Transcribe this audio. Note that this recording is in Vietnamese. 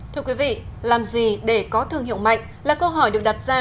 thưa quý vị làm gì để có thương hiệu mạnh là câu hỏi được đặt ra